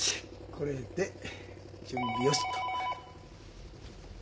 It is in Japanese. これで準備よしと。